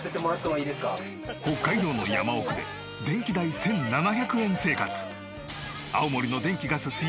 北海道の山奥で電気代１７００円生活。